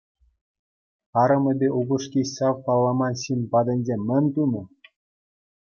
Арӑмӗпе упӑшки ҫав палламан ҫын патӗнче мӗн тунӑ?